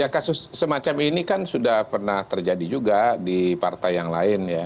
kasus semacam ini kan sudah pernah terjadi juga di partai yang lain ya